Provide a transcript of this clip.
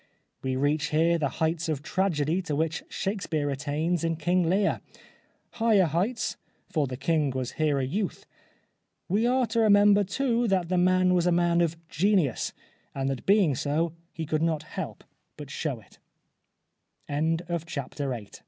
We reach here the heights of tragedy to which Shakespeare attains in '^ King Lear." Higher heights, for the king was here a youth. We are to remember too that the man was a man of genius, and that being so he could not help but k